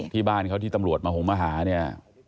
ที่บ้านเขาที่ตำรวจมาหงมาหาเนี่ย